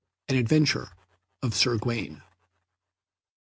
An Adventure of Sir Gawaine.